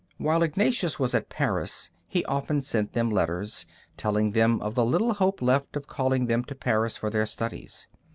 While Ignatius was at Paris he often sent them letters, telling them of the little hope left of calling them to Paris for their studies.